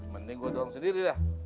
mending gua dorong sendiri dah